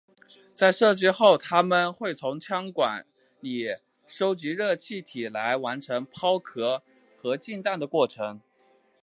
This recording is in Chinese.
在射击后它们会从枪管里吸收热气体来完成抛壳和进弹的过程。